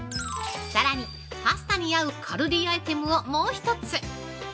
◆さらに、パスタに合うカルディアイテムをもう一つ。